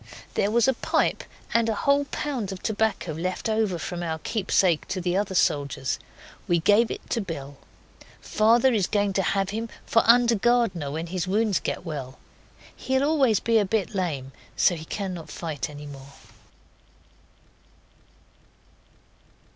There was a pipe and a whole pound of tobacco left over from our keepsake to the other soldiers. We gave it to Bill. Father is going to have him for under gardener when his wounds get well. He'll always be a bit lame, so he cannot fight any more.